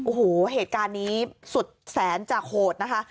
โอ้โหเหตุการณ์นี้สุดแสนจะโหดนะคะ